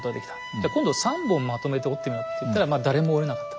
じゃ今度三本まとめて折ってみろって言ったら誰も折れなかった。